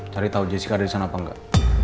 cari tahu jessica ada di sana apa enggak